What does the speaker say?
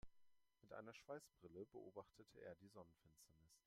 Mit einer Schweißbrille beobachtete er die Sonnenfinsternis.